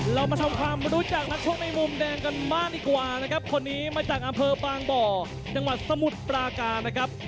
เรามาทำความรู้จักนักชกในมุมแดงกันบ้างดีกว่านะครับคนนี้มาจากอำเภอบางบ่อจังหวัดสมุทรปราการนะครับ